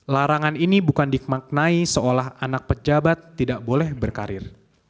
larangan ini bukan dimaknai seolah anak pejabat tidak boleh berkarir